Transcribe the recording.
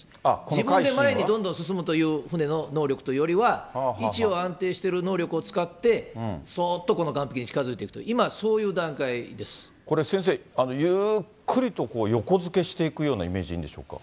自分で前にどんどん進むという船の能力というよりは、位置を安定してる能力を使って、そっとこの岸壁に近づいていくと、今、これ、先生、ゆっくりと横付けしていくようなイメージでいいんでしょうか。